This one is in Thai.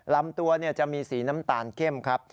ลำตัวจะมีสีน้ำตาลเข้มครับ